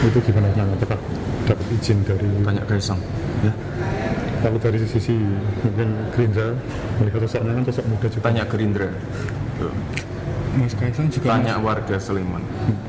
tanya gerindra tanya warga sleman